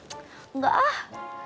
ih enggak ah